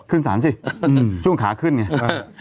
ขึ้นสารสิช่วงขาขึ้นไง